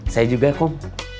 saya juga kum